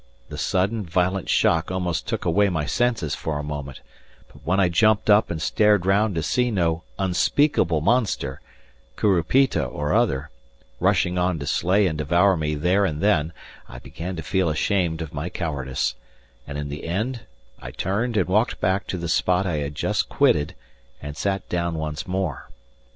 The sudden, violent shock almost took away my senses for a moment, but when I jumped up and stared round to see no unspeakable monster Curupita or other rushing on to slay and devour me there and then, I began to feel ashamed of my cowardice; and in the end I turned and walked back to the spot I had just quitted and sat down once more.